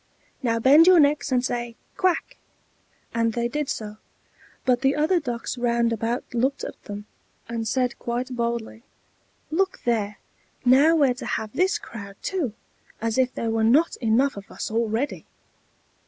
Now bend your necks and say 'Quack!'" And they did so; but the other ducks round about looked at them, and said quite boldly, "Look there! now we're to have this crowd too! as if there were not enough of us already!